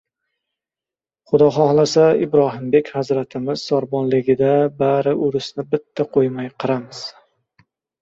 Xudo xohlasa, Ibrohimbek hazratimiz sorbonligida bari o‘risni bitta qo‘ymayin qiramiz.